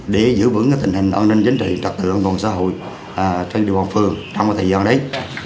để giữ vững tình hình an ninh chính trị trật tự an toàn xã hội trong thời gian đấy